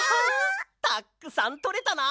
たくさんとれたな！